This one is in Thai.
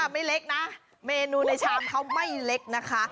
ไม่เล็กนะเมนูในชามเขาไม่เล็กนะคะ